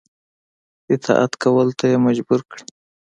اطاعت کولو ته یې مجبور کړي.